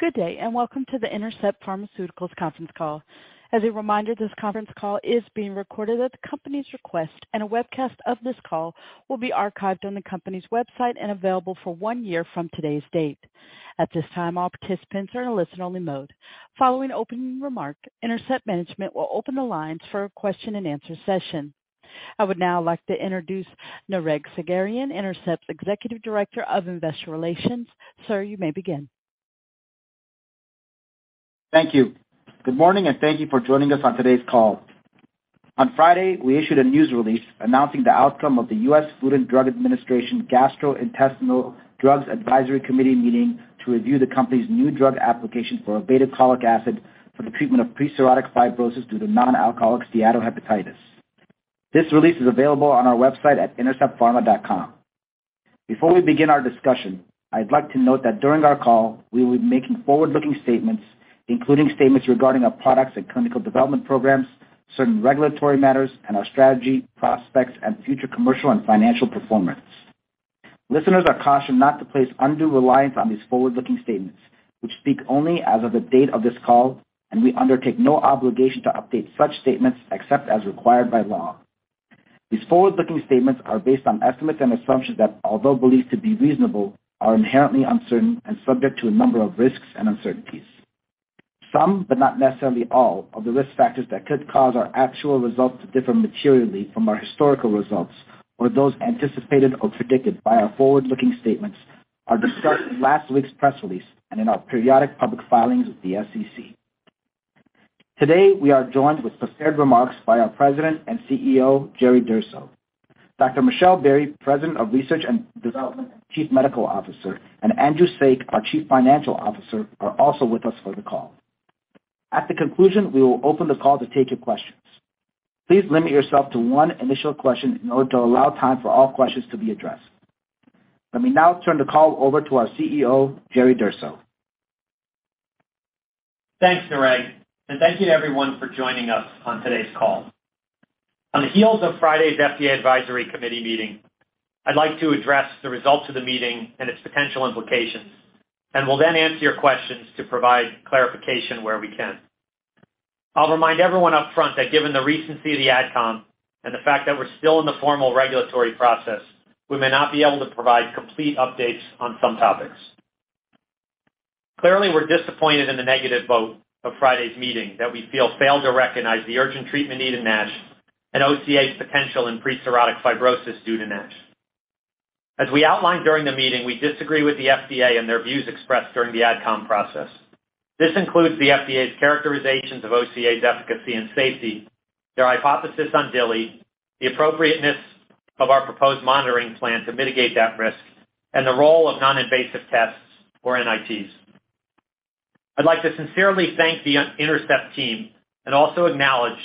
Good day, and welcome to the Intercept Pharmaceuticals conference call. As a reminder, this conference call is being recorded at the company's request, and a webcast of this call will be archived on the company's website and available for one year from today's date. At this time, all participants are in a listen-only mode. Following opening remarks, Intercept management will open the lines for a question-and-answer session. I would now like to introduce Nareg Sagherian, Intercept's Executive Director of Investor Relations. Sir, you may begin. Thank you. Good morning, and thank you for joining us on today's call. On Friday, we issued a news release announcing the outcome of the US Food and Drug Administration Gastrointestinal Drugs Advisory Committee meeting to review the company's new drug application for obeticholic acid for the treatment of pre-cirrhotic fibrosis due to nonalcoholic steatohepatitis. This release is available on our website at interceptpharma.com. Before we begin our discussion, I'd like to note that during our call, we will be making forward-looking statements, including statements regarding our products and clinical development programs, certain regulatory matters, and our strategy, prospects, and future commercial and financial performance. Listeners are cautioned not to place undue reliance on these forward-looking statements, which speak only as of the date of this call, and we undertake no obligation to update such statements except as required by law. These forward-looking statements are based on estimates and assumptions that, although believed to be reasonable, are inherently uncertain and subject to a number of risks and uncertainties. Some, but not necessarily all, of the risk factors that could cause our actual results to differ materially from our historical results or those anticipated or predicted by our forward-looking statements are discussed in last week's press release and in our periodic public filings with the SEC. Today, we are joined with prepared remarks by our President and CEO, Jerry Durso. Dr. Michelle Berrey, President of Research and Development and Chief Medical Officer, and Andrew Saik, our Chief Financial Officer, are also with us for the call. At the conclusion, we will open the call to take your questions. Please limit yourself to one initial question in order to allow time for all questions to be addressed. Let me now turn the call over to our CEO, Jerry Durso. Thanks, Nareg, and thank you everyone for joining us on today's call. On the heels of Friday's FDA Advisory Committee meeting, I'd like to address the results of the meeting and its potential implications, and we'll then answer your questions to provide clarification where we can. I'll remind everyone up front that given the recency of the AdCom and the fact that we're still in the formal regulatory process, we may not be able to provide complete updates on some topics. Clearly, we're disappointed in the negative vote of Friday's meeting that we feel failed to recognize the urgent treatment need in NASH and OCA's potential in pre-cirrhotic fibrosis due to NASH. As we outlined during the meeting, we disagree with the FDA and their views expressed during the AdCom process. This includes the FDA's characterizations of OCA's efficacy and safety, their hypothesis on DILI, the appropriateness of our proposed monitoring plan to mitigate that risk, and the role of non-invasive tests or NITs. I'd like to sincerely thank the Intercept team and also acknowledge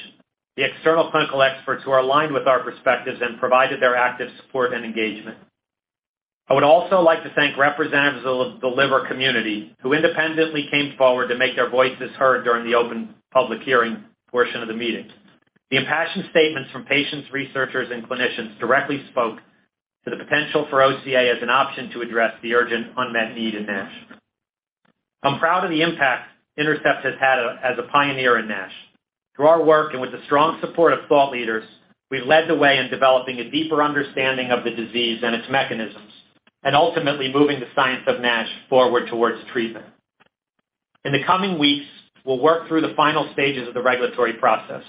the external clinical experts who are aligned with our perspectives and provided their active support and engagement. I would also like to thank representatives of the liver community who independently came forward to make their voices heard during the open public hearing portion of the meeting. The impassioned statements from patients, researchers, and clinicians directly spoke to the potential for OCA as an option to address the urgent unmet need in NASH. I'm proud of the impact Intercept has had as a pioneer in NASH. Through our work and with the strong support of thought leaders, we led the way in developing a deeper understanding of the disease and its mechanisms and ultimately moving the science of NASH forward towards treatment. In the coming weeks, we'll work through the final stages of the regulatory process.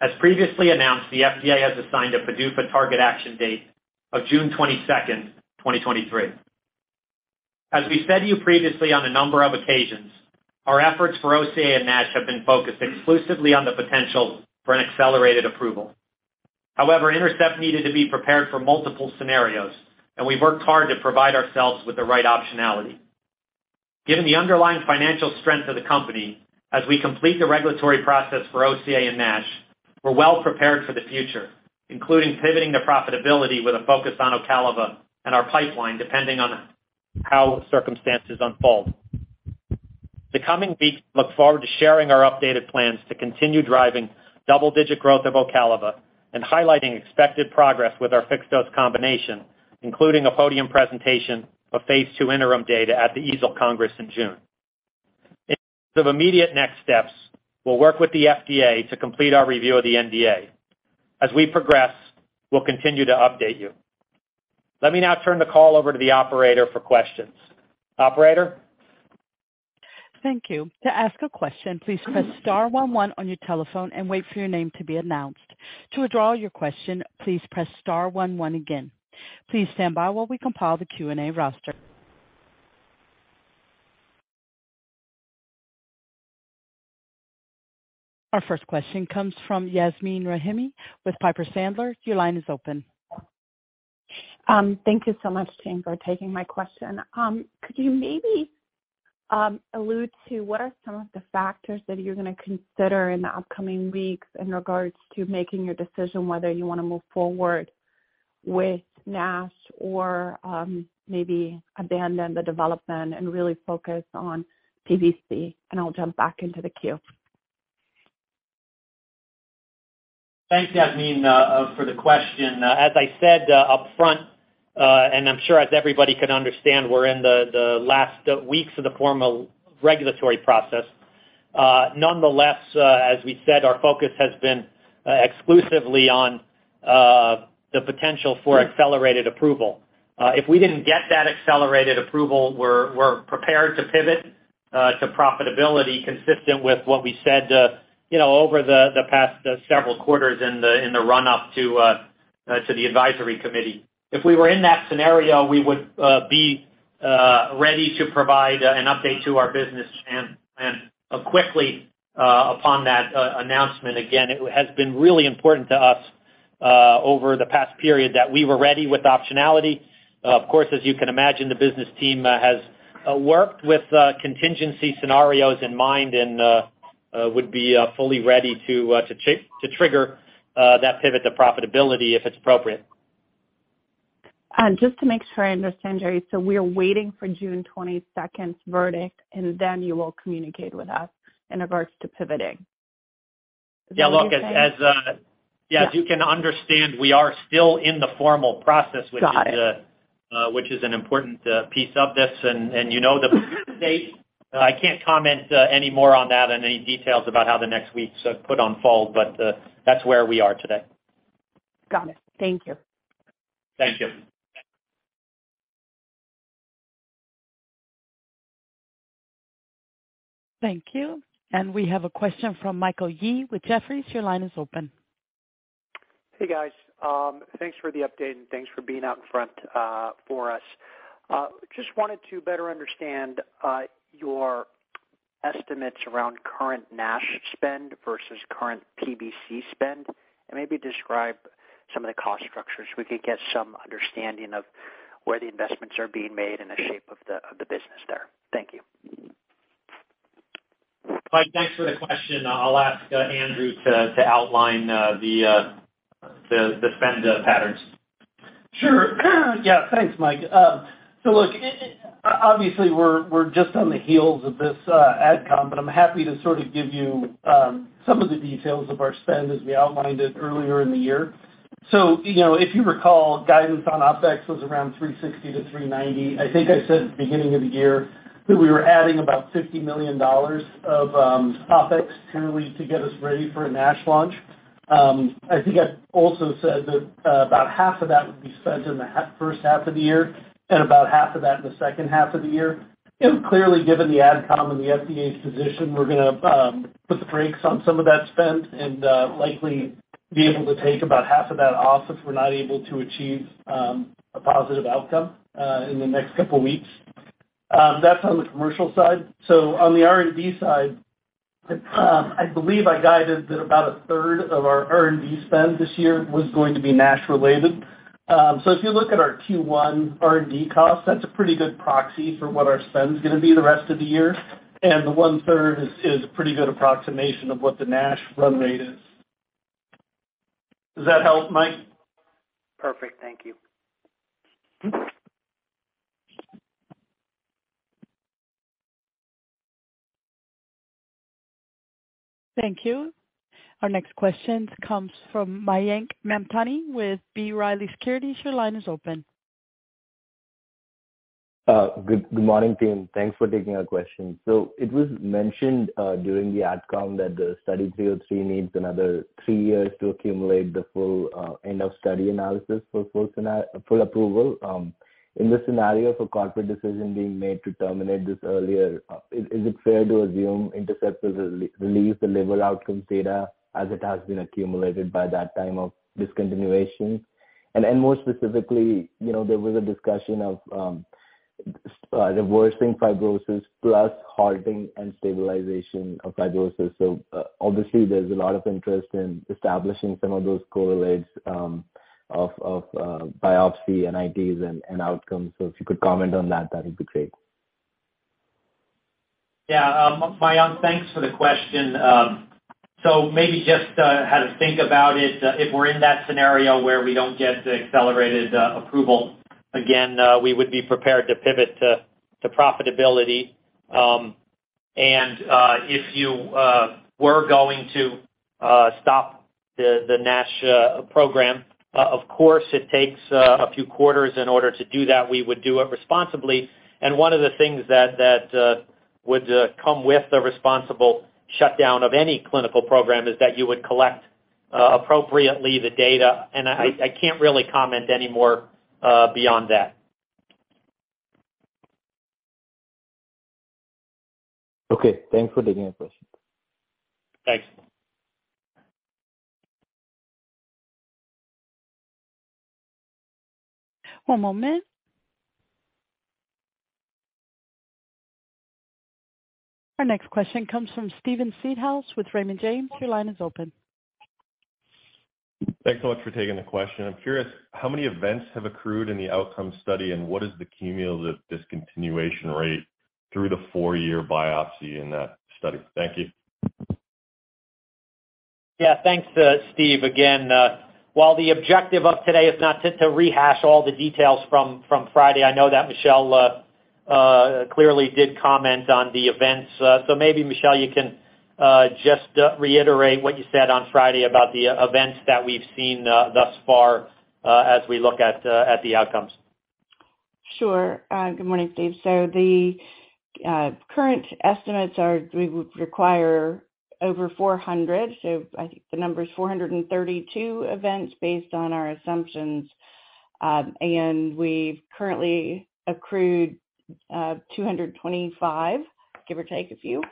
As previously announced, the FDA has assigned a PDUFA target action date of June 22nd, 2023. As we said to you previously on a number of occasions, our efforts for OCA and NASH have been focused exclusively on the potential for an accelerated approval. However, Intercept needed to be prepared for multiple scenarios, and we've worked hard to provide ourselves with the right optionality. Given the underlying financial strength of the company as we complete the regulatory process for OCA and NASH, we're well prepared for the future, including pivoting to profitability with a focus on Ocaliva and our pipeline, depending on how circumstances unfold. The coming weeks look forward to sharing our updated plans to continue driving double-digit growth of Ocaliva and highlighting expected progress with our fixed-dose combination, including a podium presentation of phase II interim data at the EASL Congress in June. In terms of immediate next steps, we'll work with the FDA to complete our review of the NDA. As we progress, we'll continue to update you. Let me now turn the call over to the operator for questions. Operator? Thank you. To ask a question, please press star one one on your telephone and wait for your name to be announced. To withdraw your question, please press star one one again. Please stand by while we compile the Q&A roster. Our first question comes from Yasmeen Rahimi with Piper Sandler. Your line is open. Thank you so much, team, for taking my question. Could you maybe allude to what are some of the factors that you're gonna consider in the upcoming weeks in regards to making your decision whether you wanna move forward with NASH or maybe abandon the development and really focus on PBC? I'll jump back into the queue. Thanks, Yasmeen, for the question. As I said, upfront, and I'm sure as everybody can understand, we're in the last weeks of the formal regulatory process. Nonetheless, as we said, our focus has been exclusively on the potential for accelerated approval. If we didn't get that accelerated approval, we're prepared to pivot to profitability consistent with what we said, you know, over the past several quarters in the run-up to the Advisory Committee. If we were in that scenario, we would be ready to provide an update to our business and quickly upon that announcement. Again, it has been really important to us over the past period that we were ready with optionality. Of course, as you can imagine, the business team has worked with contingency scenarios in mind and would be fully ready to trigger that pivot to profitability if it's appropriate. Just to make sure I understand, Jerry, we're waiting for June 22nd's verdict, you will communicate with us in regards to pivoting. Yeah. Look, as, yeah, as you can understand, we are still in the formal process- Got it.... which is an important piece of this. You know, the date, I can't comment any more on that and any details about how the next weeks are put on fold. That's where we are today. Got it. Thank you. Thank you. Thank you. We have a question from Michael Yee with Jefferies. Your line is open. Hey, guys. Thanks for the update and thanks for being out in front, for us. Just wanted to better understand, your estimates around current NASH spend versus current PBC spend, and maybe describe some of the cost structures. We could get some understanding of where the investments are being made and the shape of the business there. Thank you. Michael, thanks for the question. I'll ask Andrew to outline the spend patterns. Sure. Yeah. Thanks, Michael Yee. Look, obviously we're just on the heels of this AdCom, but I'm happy to sort of give you some of the details of our spend as we outlined it earlier in the year. You know, if you recall, guidance on OpEx was around $360 million-$390 million. I think I said at the beginning of the year that we were adding about $50 million of OpEx early to get us ready for a NASH launch. I think I also said that about half of that would be spent in the first half of the year and about half of that in the second half of the year. You know, clearly, given the AdCom and the FDA's position, we're gonna put the brakes on some of that spend and likely be able to take about half of that off if we're not able to achieve a positive outcome in the next couple weeks. That's on the commercial side. On the R&D side, I believe I guided that about a third of our R&D spend this year was going to be NASH related. If you look at our Q1 R&D costs, that's a pretty good proxy for what our spend's gonna be the rest of the year. The one-third is a pretty good approximation of what the NASH run rate is. Does that help, Mike? Perfect. Thank you. Thank you. Our next question comes from Mayank Mamtani with B. Riley Securities. Your line is open. Good morning, team. Thanks for taking our question. It was mentioned during the AdCom that the Study 303 needs another three years to accumulate the full end of study analysis for full approval. In the scenario for corporate decision being made to terminate this earlier, is it fair to assume Intercept will re-release the label outcomes data as it has been accumulated by that time of discontinuation? More specifically, you know, there was a discussion of reversing fibrosis plus halting and stabilization of fibrosis. Obviously there's a lot of interest in establishing some of those correlates of biopsy and NITs and outcomes. If you could comment on that would be great. Yeah. Mayank, thanks for the question. So maybe just how to think about it, if we're in that scenario where we don't get the accelerated approval, again, we would be prepared to pivot to profitability. If you were going to stop the NASH program, of course it takes a few quarters in order to do that. We would do it responsibly. One of the things that would come with the responsible shutdown of any clinical program is that you would collect appropriately the data. I can't really comment any more beyond that. Okay. Thanks for taking the question. Thanks. One moment. Our next question comes from Steven Seedhouse with Raymond James. Your line is open. Thanks so much for taking the question. I'm curious how many events have accrued in the outcome study and what is the cumulative discontinuation rate through the 4-year biopsy in that study? Thank you. Yeah. Thanks, Steve. While the objective of today is not to rehash all the details from Friday, I know that Michelle clearly did comment on the events. Maybe Michelle, you can just reiterate what you said on Friday about the events that we've seen thus far, as we look at the outcomes. Sure. Good morning, Steve. The current estimates are we would require over 400. I think the number is 432 events based on our assumptions. We've currently accrued 225, give or take a few,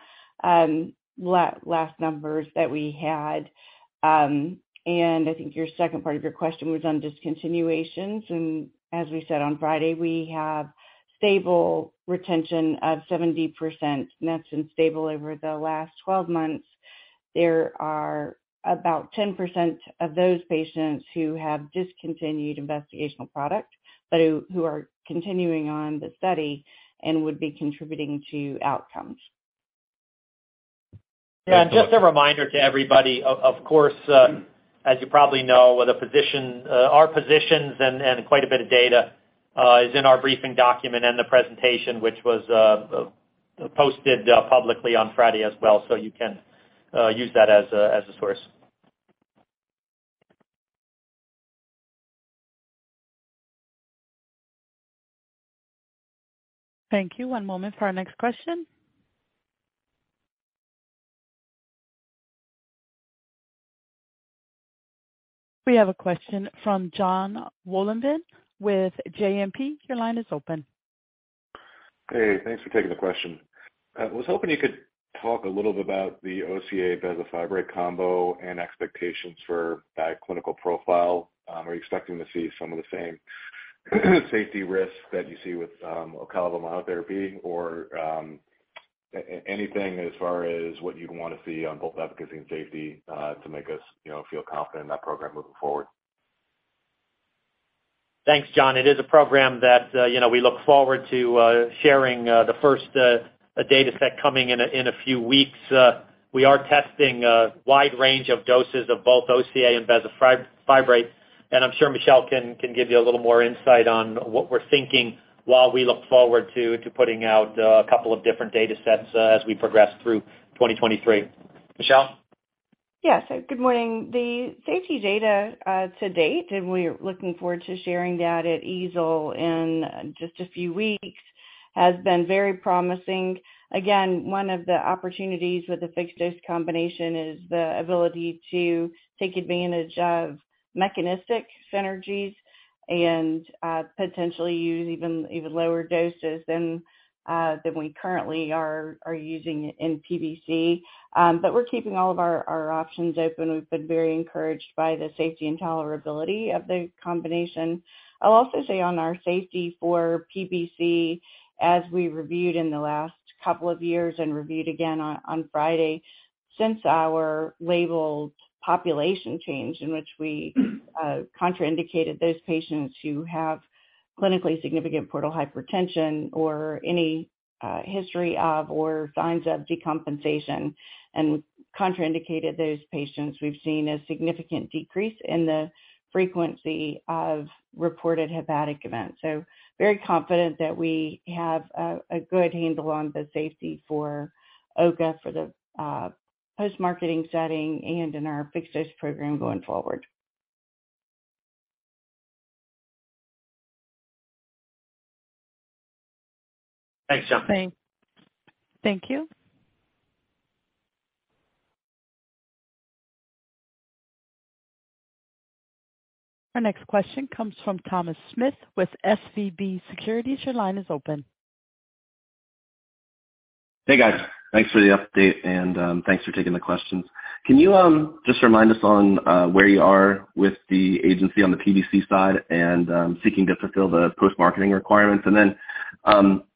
last numbers that we had. I think your second part of your question was on discontinuations. As we said on Friday, we have stable retention of 70%, and that's been stable over the last 12 months. There are about 10% of those patients who have discontinued investigational product, but who are continuing on the study and would be contributing to outcomes. Yeah. Just a reminder to everybody, of course, as you probably know, with our positions and quite a bit of data is in our briefing document and the presentation, which was posted publicly on Friday as well. You can use that as a source. Thank you. One moment for our next question. We have a question from Jonathan Wolleben with JMP. Your line is open. Hey, thanks for taking the question. I was hoping you could talk a little bit about the OCA bezafibrate combo and expectations for that clinical profile. Are you expecting to see some of the same safety risks that you see with OCA monotherapy or anything as far as what you'd want to see on both efficacy and safety to make us, you know, feel confident in that program moving forward? Thanks, John. It is a program that, you know, we look forward to sharing the first data set coming in a few weeks. We are testing a wide range of doses of both OCA and bezafibrate, and I'm sure Michelle can give you a little more insight on what we're thinking while we look forward to putting out a couple of different datasets as we progress through 2023. Michelle? Good morning. The safety data to date, and we're looking forward to sharing that at EASL in just a few weeks, has been very promising. Again, one of the opportunities with the fixed-dose combination is the ability to take advantage of mechanistic synergies and potentially use even lower doses than we currently are using in PBC. We're keeping all of our options open. We've been very encouraged by the safety and tolerability of the combination. I'll also say on our safety for PBC, as we reviewed in the last couple of years and reviewed again on Friday, since our labeled population changed in which we contraindicated those patients who have clinically significant portal hypertension or any history of or signs of decompensation and contraindicated those patients, we've seen a significant decrease in the frequency of reported hepatic events. Very confident that we have a good handle on the safety for OCA for the post-marketing setting and in our fixed-dose program going forward. Thanks, Jon. Thank you. Our next question comes from Thomas Smith with SVB Securities. Your line is open. Hey, guys. Thanks for the update and thanks for taking the questions. Can you just remind us on where you are with the agency on the PBC side and seeking to fulfill the post-marketing requirements?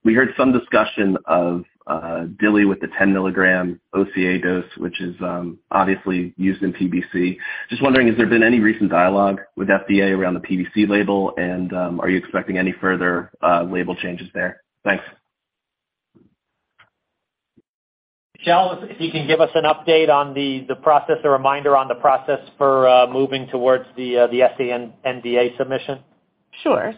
We heard some discussion of DILI with the 10-milligram OCA dose, which is obviously used in PBC. Just wondering, has there been any recent dialogue with FDA around the PBC label? Are you expecting any further label changes there? Thanks. Michelle, if you can give us an update on the process or reminder on the process for moving towards the sNDA submission. Sure.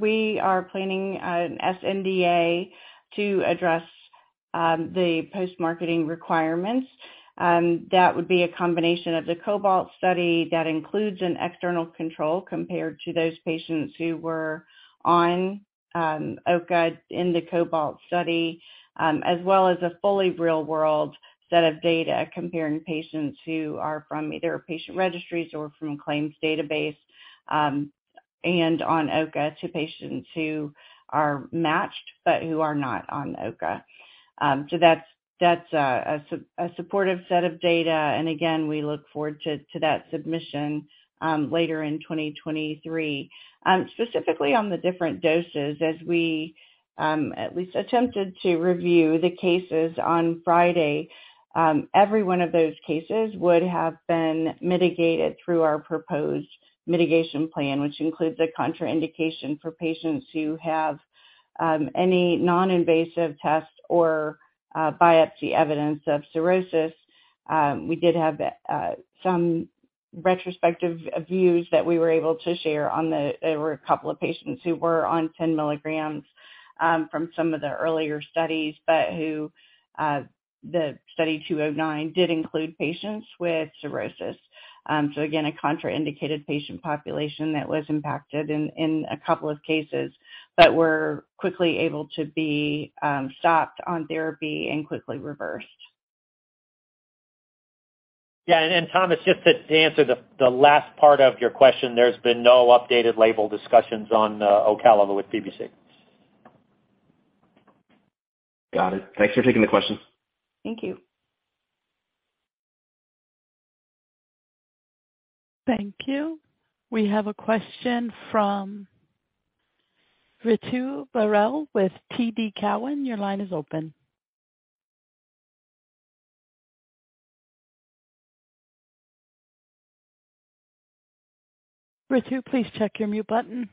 We are planning an sNDA to address the post-marketing requirements. That would be a combination of the COBALT study that includes an external control compared to those patients who were on OCA in the COBALT study, as well as a fully real-world set of data comparing patients who are from either patient registries or from claims database, and on OCA to patients who are matched but who are not on OCA. That's a supportive set of data. Again, we look forward to that submission later in 2023. Specifically on the different doses, as we, at least attempted to review the cases on Friday, every one of those cases would have been mitigated through our proposed mitigation plan, which includes a contraindication for patients who have any non-invasive test or biopsy evidence of cirrhosis. We did have some retrospective views that we were able to share on the... There were a couple of patients who were on 10 milligrams from some of the earlier studies, but who the Study 209 did include patients with cirrhosis. Again, a contraindicated patient population that was impacted in a couple of cases, but were quickly able to be stopped on therapy and quickly reversed. Yeah. Thomas, just to answer the last part of your question, there's been no updated label discussions on Ocaliva with PBC. Got it. Thanks for taking the question. Thank you. Thank you. We have a question from Ritu Baral with TD Cowen. Your line is open. Ritu, please check your mute button.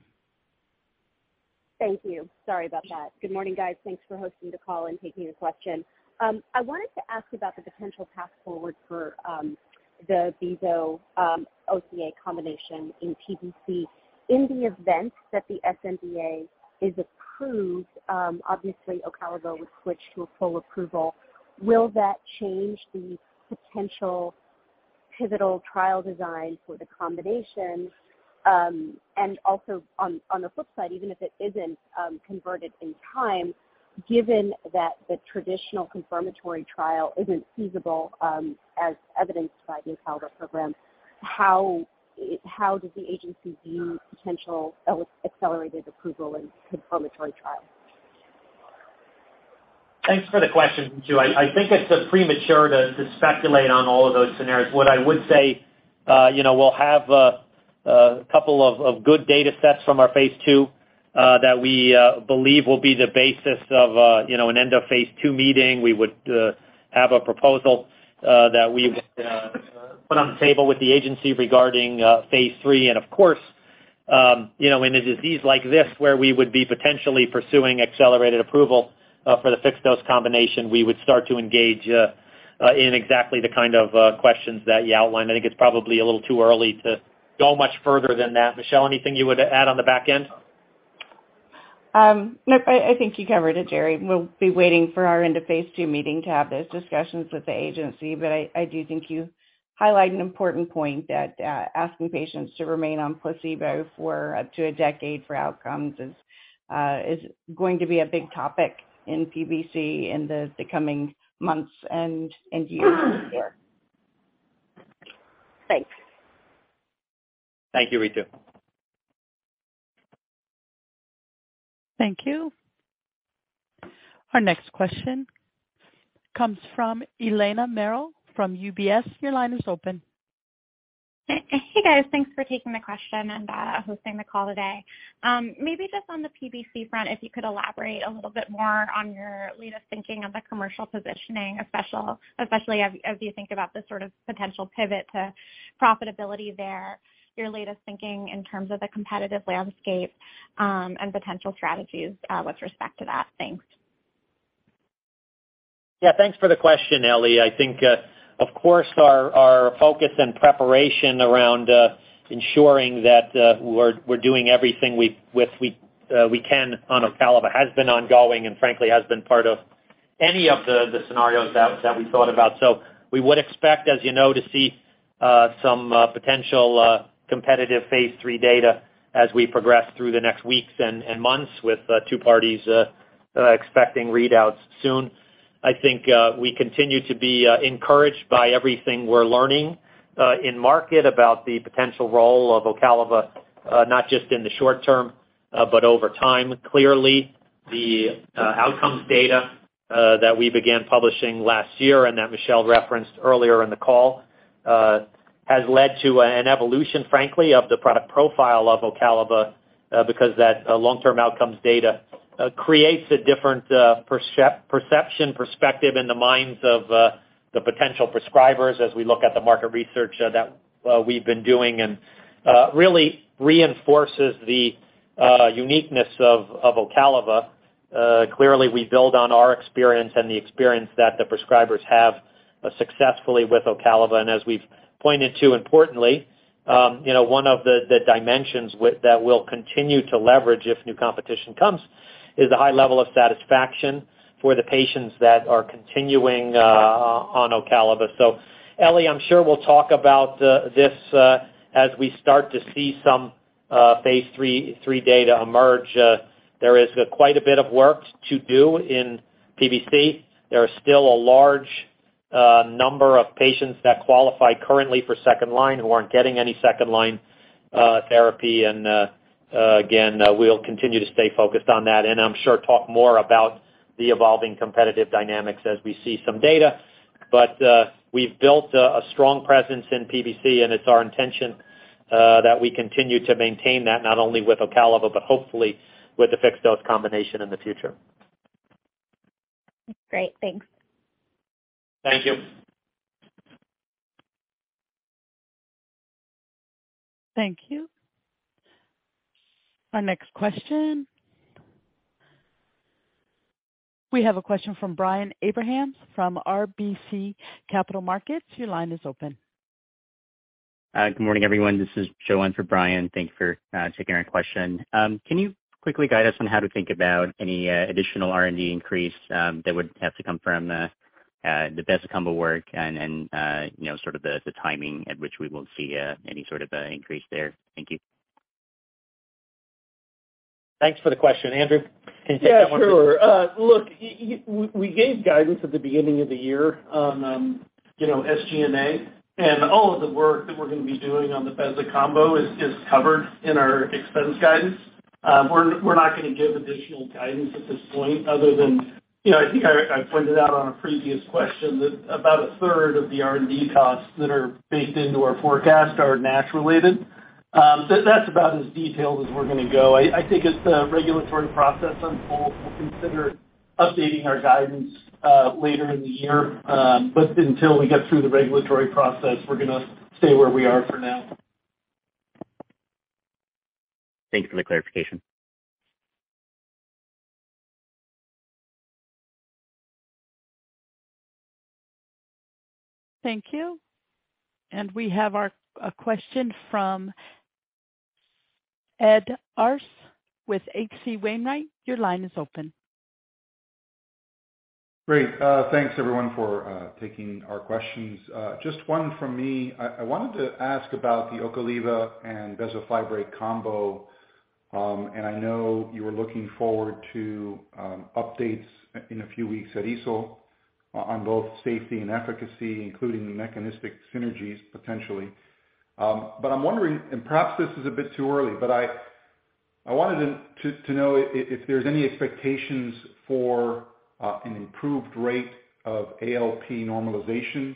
Thank you. Sorry about that. Good morning, guys. Thanks for hosting the call and taking the question. I wanted to ask about the potential path forward for the beza OCA combination in PBC. In the event that the sNDA is approved, obviously Ocaliva would switch to a full approval. Will that change the potential pivotal trial design for the combination? Also on the flip side, even if it isn't converted in time, given that the traditional confirmatory trial isn't feasible, as evidenced by the Ocaliva program, how does the agency view potential accelerated approval and confirmatory trial? Thanks for the question, Ritu. I think it's premature to speculate on all of those scenarios. What I would say, you know, we'll have a couple of good data sets from our phase II that we believe will be the basis of, you know, an end of phase II meeting. We would have a proposal that we would put on the table with the agency regarding phase III. And of course, you know, in a disease like this where we would be potentially pursuing accelerated approval for the fixed-dose combination, we would start to engage in exactly the kind of questions that you outlined. I think it's probably a little too early to go much further than that. Michelle, anything you would add on the back end? No, I think you covered it, Jerry. We'll be waiting for our end of phase two meeting to have those discussions with the agency. I do think you highlight an important point that asking patients to remain on placebo for up to a decade for outcomes is going to be a big topic in PBC in the coming months and years. Thanks. Thank you, Ritu. Thank you. Our next question comes from Eliana Merle from UBS. Your line is open. Hey, guys. Thanks for taking the question and hosting the call today. Maybe just on the PBC front, if you could elaborate a little bit more on your latest thinking of the commercial positioning, especially as you think about the sort of potential pivot to profitability there, your latest thinking in terms of the competitive landscape, and potential strategies with respect to that. Thanks. Yeah, thanks for the question, Ellie. I think, of course, our focus and preparation around ensuring that we're doing everything which we can on Ocaliva has been ongoing and frankly, has been part of any of the scenarios that we thought about. We would expect, as you know, to see some potential competitive phase III data as we progress through the next weeks and months with two parties expecting readouts soon. I think, we continue to be encouraged by everything we're learning in market about the potential role of Ocaliva, not just in the short term, but over time. Clearly, the outcomes data that we began publishing last year and that Michelle referenced earlier in the call, has led to an evolution, frankly, of the product profile of Ocaliva, because that long-term outcomes data creates a different perception, perspective in the minds of the potential prescribers as we look at the market research that we've been doing, and really reinforces the uniqueness of Ocaliva. Clearly, we build on our experience and the experience that the prescribers have successfully with Ocaliva. As we've pointed to importantly, you know, one of the dimensions that we'll continue to leverage if new competition comes, is the high level of satisfaction for the patients that are continuing on Ocaliva. Ellie, I'm sure we'll talk about this as we start to see some phase III data emerge. There is quite a bit of work to do in PBC. There are still a large number of patients that qualify currently for second-line who aren't getting any second-line therapy. Again, we'll continue to stay focused on that, and I'm sure talk more about the evolving competitive dynamics as we see some data. We've built a strong presence in PBC, and it's our intention that we continue to maintain that not only with Ocaliva, but hopefully with the fixed-dose combination in the future. Great. Thanks. Thank you. Thank you. Our next question. We have a question from Brian Abrahams from RBC Capital Markets. Your line is open. Good morning, everyone. This is Joanne for Brian. Thank you for taking our question. Can you quickly guide us on how to think about any additional R&D increase that would have to come from the bez combo work, and you know, sort of the timing at which we will see any sort of increase there? Thank you. Thanks for the question. Andrew, can you take that one? Yeah, sure. Look, we gave guidance at the beginning of the year on, you know, SG&A. All of the work that we're gonna be doing on the beza combo is covered in our expense guidance. We're not gonna give additional guidance at this point, other than, you know, I think I pointed out on a previous question that about a third of the R&D costs that are baked into our forecast are NASH related. That's about as detailed as we're gonna go. I think as the regulatory process unfolds, we'll consider updating our guidance later in the year. Until we get through the regulatory process, we're gonna stay where we are for now. Thanks for the clarification. Thank you. We have a question from Ed Arce with H.C. Wainwright. Your line is open. Great. Thanks, everyone, for taking our questions. Just one from me. I wanted to ask about the Ocaliva and bezafibrate combo. I know you were looking forward to updates in a few weeks at EASL on both safety and efficacy, including the mechanistic synergies, potentially. I'm wondering, and perhaps this is a bit too early, but I wanted to know if there's any expectations for an improved rate of ALP normalization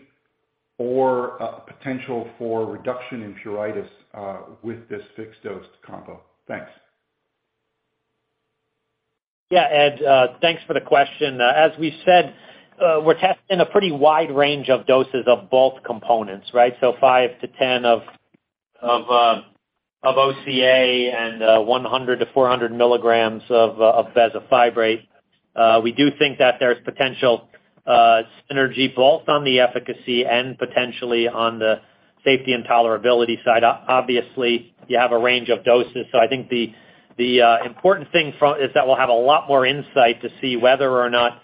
or a potential for reduction in pruritus, with this fixed-dose combo. Thanks. Yeah. Ed, thanks for the question. As we've said, we're testing a pretty wide range of doses of both components, right? So 5-10 of OCA and 100-400 milligrams of bezafibrate. We do think that there's potential synergy both on the efficacy and potentially on the safety and tolerability side. Obviously, you have a range of doses. So I think the important thing is that we'll have a lot more insight to see whether or not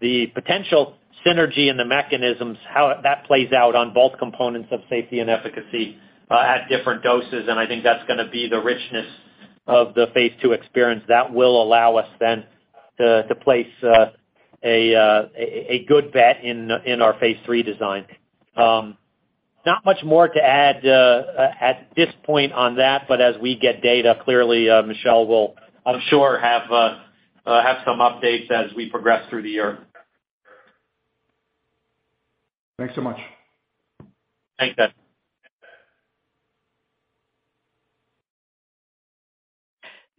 the potential synergy in the mechanisms, how that plays out on both components of safety and efficacy, at different doses. I think that's gonna be the richness of the phase II experience. That will allow us then to place a good bet in our phase III design. Not much more to add, at this point on that, but as we get data, clearly, Michelle will, I'm sure have some updates as we progress through the year. Thanks so much. Thanks, Ed.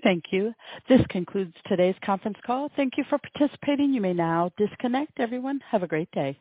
Thank you. This concludes today's conference call. Thank you for participating. You may now disconnect. Everyone, have a great day.